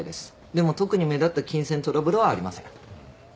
でも特に目立った金銭トラブルはありません。